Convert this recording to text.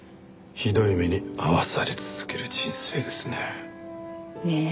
ひどい目に遭わされ続ける人生ですね。